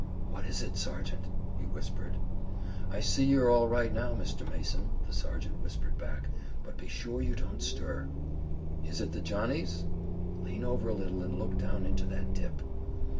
"What is it, Sergeant?" he whispered. "I see you're all right now, Mr. Mason," the sergeant whispered back, "but be sure you don't stir." "Is it the Johnnies?" "Lean over a little and look down into that dip."